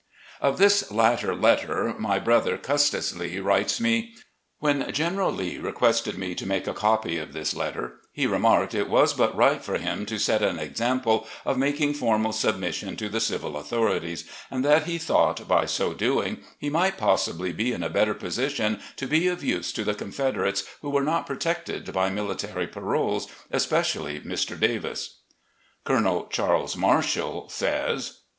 Of this latter letter, my brother, Custis Lee, writes me: "When General Lee requested me to make a copy of this letter, he remarked it was but right for him to set an example of making formal submission to the civil author ities, and that he thought, by so doing, he might possibly be in a better position to be of use to the Confederates who were not protected by military paroles, especially Mr. Davis." Colonel Charles Marshall* says